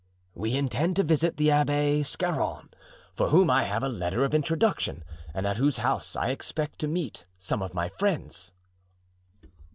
"We intend to visit the Abbé Scarron, for whom I have a letter of introduction and at whose house I expect to meet some of my friends."